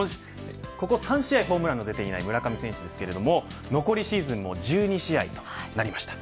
ここ３試合ホームランが出ていない、村上選手ですが残りシーズンも１２試合になりました。